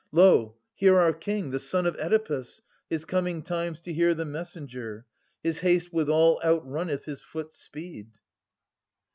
Lo, here our King, the son of Oedipus, His coming times to hear the messenger. His haste withal outrunneth his foot's speed.